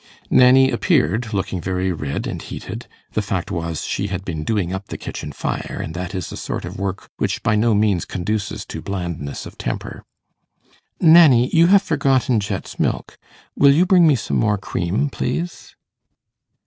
Nanny appeared, looking very red and heated the fact was, she had been 'doing up' the kitchen fire, and that is a sort of work which by no means conduces to blandness of temper. 'Nanny, you have forgotten Jet's milk; will you bring me some more cream, please?